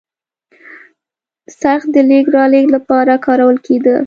څرخ د لېږد رالېږد لپاره کارول کېده.